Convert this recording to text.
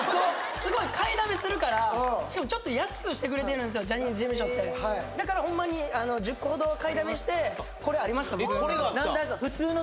すごい買いだめするからしかもちょっと安くしてくれてるんすよジャニーズ事務所ってだからホンマに１０個ほど買いだめしてこれありました